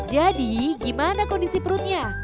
jadi gimana kondisi perutnya